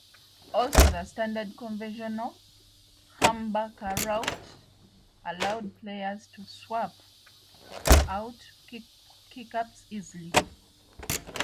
Also, the standard conventional humbucker rout allowed players to swap out pickups easily.